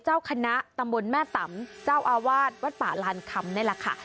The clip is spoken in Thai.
เจ้าคณะตำบลแม่ตำเจ้าอาวาสวัดป่าลานคำนี่แหละค่ะ